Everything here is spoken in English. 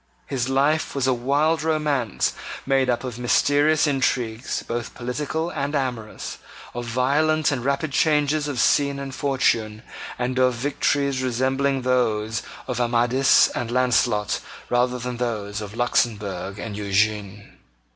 His life was a wild romance made up of mysterious intrigues, both political and amorous, of violent and rapid changes of scene and fortune, and of victories resembling those of Amadis and Launcelot rather than those of Luxemburg and Eugene.